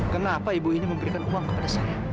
kenapa ibu ini memberikan uang kepada saya